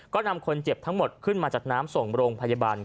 ก็นำคนเจ็บทั้งหมดขึ้นมาจากน้ำส่งโรงพยาบาล